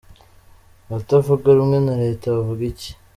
Abatavuga rumwe na reta bavuga iki?.